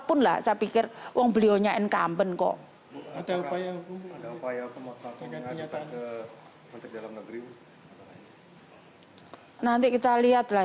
pun lah saya pikir uang belionya encampment kok ada upaya upaya kemaklumnya nanti kita lihat lah